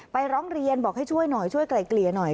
ร้องเรียนบอกให้ช่วยหน่อยช่วยไกลเกลี่ยหน่อย